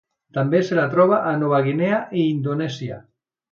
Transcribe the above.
També se la troba a Nova Guinea i Indonèsia.